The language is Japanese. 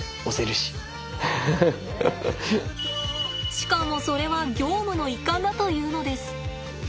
しかもそれは業務の一環だというのです。